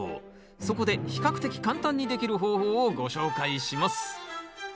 そこで比較的簡単にできる方法をご紹介します